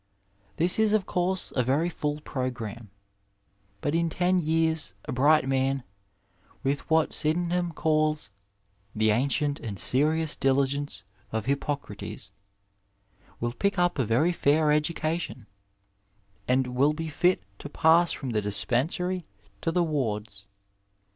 This is, of course, a very full progranmie, but in ten years a bright man, with what Sydenham calls '^the ancient and serious diligence of Hippocrates," will pick up a very fair education, and will be fit to pass from the dispensary to the wards.